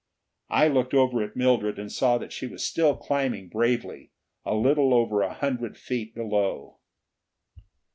I looked over at Mildred and saw that she was still climbing bravely, a little over a hundred feet below.